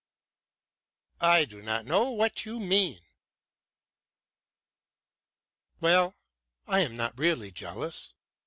"I do not know what you mean." "Well, I am not really jealous.